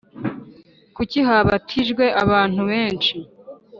Kuki habatijwe abantu benshi